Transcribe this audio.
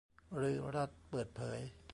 หรือรัฐเปิดเผย